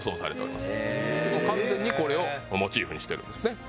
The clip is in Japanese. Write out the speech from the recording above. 完全にこれをモチーフにしてるんですね。